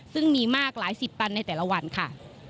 ซึ่งมีมากหลายสิบตันในแต่ละวันค่ะ